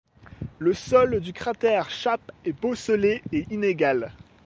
Le sol du cratère Chappe est bosselé et inégal.